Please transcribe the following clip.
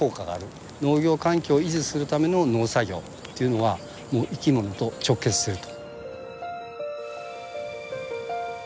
農業環境を維持するための農作業っていうのは生き物と直結してると。